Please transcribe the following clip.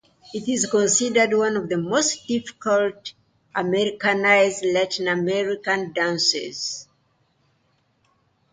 It is considered one of the most difficult americanized Latin American dances.